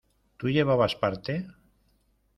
¿ tú llevabas parte?